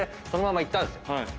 そのまま行ったんですよ。